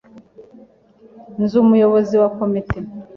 Nzi umuyobozi wa komite.